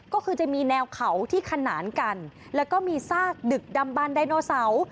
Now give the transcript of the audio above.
ก็คือจะมีแนวเขาที่ขนานกันแล้วก็มีซากดึกดำบันไดโนเสาร์